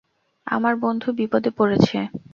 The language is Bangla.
আমার বন্ধু বিপদে পড়েছে।